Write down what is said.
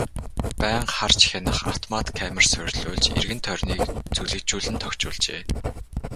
Байнга харж хянах автомат камер суурилуулж эргэн тойрныг зүлэгжүүлэн тохижуулжээ.